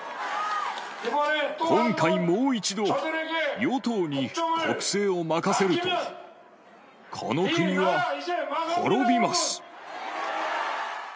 今回、もう一度、与党に国政を任せると、この国は滅びます。